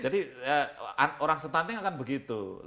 jadi orang stunting akan begitu